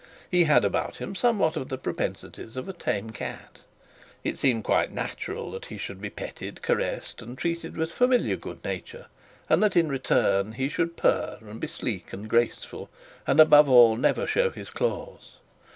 He had about him somewhat of the propensities of a tame cat. It seemed quite natural that he should be petted, caressed, and treated with familiar good nature, and that in return he should purr, and be sleek and graceful, and above all never show his claws.